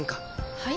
はい？